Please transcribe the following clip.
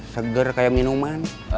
seger kayak minuman